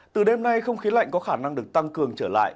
từ đêm nay không khí lạnh có khả năng được tăng cường trở lại